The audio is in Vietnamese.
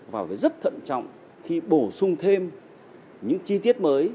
và phải rất thận trọng khi bổ sung thêm những chi tiết mới